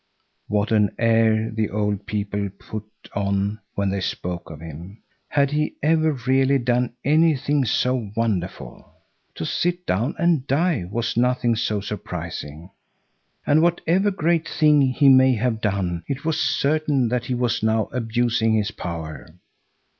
What an air the old people put on when they spoke of him! Had he ever really done anything so wonderful? To sit down and die was nothing so surprising. And whatever great thing he may have done, it was certain that he was now abusing his power.